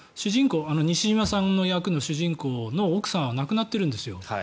西島さんの役の主人公の奥さんは亡くなっているんですよ。